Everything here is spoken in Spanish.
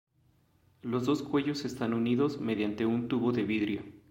Los dos cuellos están unidos mediante un tubo de vidrio.